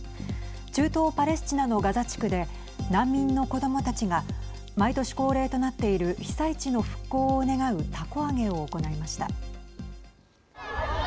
中東パレスチナのガザ地区で難民の子どもたちが毎年恒例となっている被災地の復興を願うたこ揚げを行いました。